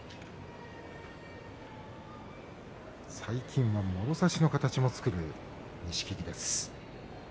最近はもろ差しの形を作る錦木です。